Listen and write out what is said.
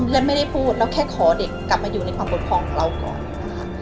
และไม่ได้พูดเราแค่ขอเด็กกลับมาอยู่ในความปกครองของเราก่อนนะคะ